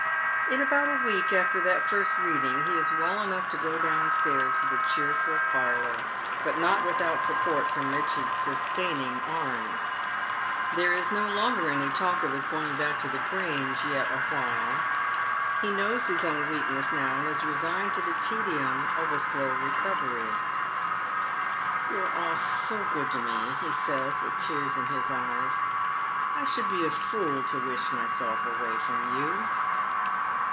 In about a week after that first reading he is well enough to go downstairs to the cheerful parlour, but not without support from Richard's sustaining arms. There is no longer any talk of his going back to the Grange yet awhile. He knows his own weakness now, and is resigned to the tedium of a slow recovery. " You are all so good to me," he says, with tears in his eyes, " I should be a fool to wish myself away from you."